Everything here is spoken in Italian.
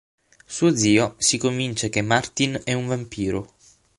Suo zio si convince che Martin è un vampiro.